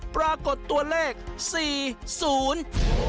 ปรากฏตัวเลขสี่ศูนย์